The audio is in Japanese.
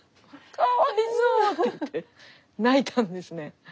かわいそうって言って泣いたんですね。